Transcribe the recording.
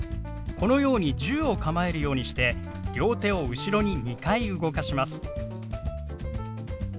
このように銃を構えるようにして両手を後ろに２回動かします。